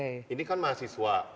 ini kan mahasiswa